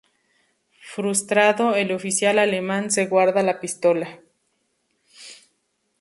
Frustrado, el oficial alemán se guarda la pistola.